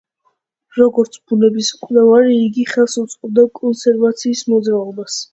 როგორც ბუნების მკვლევარი იგი ხელს უწყობდა კონსერვაციის მოძრაობას.